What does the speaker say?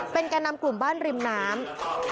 แก่นำกลุ่มบ้านริมน้ำ